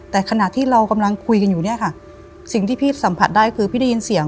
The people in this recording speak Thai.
แต่ขณะที่เรากำลังคุยกันอยู่เนี่ยค่ะสิ่งที่พี่สัมผัสได้คือพี่ได้ยินเสียง